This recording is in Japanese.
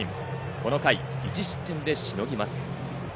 この回、１失点でしのぎます。